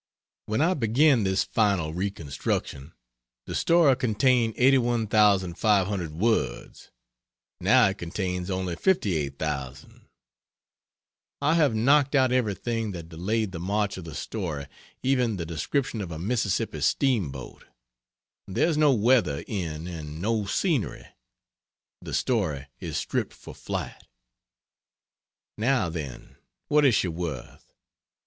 When I began this final reconstruction the story contained 81,500 words, now it contains only 58,000. I have knocked out everything that delayed the march of the story even the description of a Mississippi steamboat. There's no weather in, and no scenery the story is stripped for flight! Now, then what is she worth?